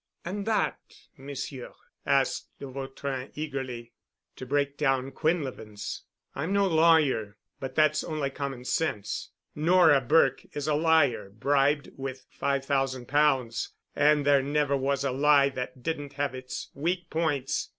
"And that, Monsieur?" asked de Vautrin eagerly. "To break down Quinlevin's. I'm no lawyer, but that's only common sense. Nora Burke is a liar bribed with five thousand pounds. And there never was a lie that didn't have its weak points.